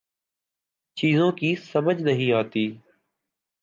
چیزوں کی سمجھ نہیں آتی